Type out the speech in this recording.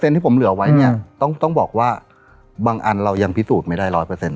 ๑๐ที่ผมเหลือไว้เนี่ยต้องบอกว่าบางอันเรายังพิสูจน์ไม่ได้๑๐๐